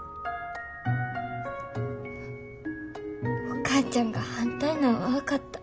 お母ちゃんが反対なんは分かった。